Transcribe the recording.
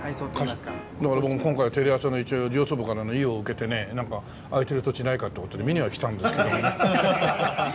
だから今回テレ朝の一応上層部からの意を受けてね空いてる土地ないかっていう事で見には来たんですけどね。